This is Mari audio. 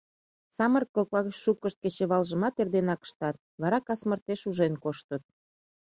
Самырык кокла гыч шукышт кечывалжымат эрденак ыштат, вара кас марте шужен коштыт.